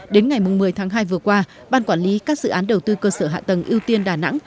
đến ngày một mươi tháng hai vừa qua ban quản lý các dự án đầu tư cơ sở hạ tầng ưu tiên đà nẵng